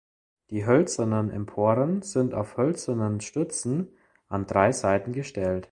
Die hölzernen Emporen sind auf hölzernen Stützen an drei Seiten gestellt.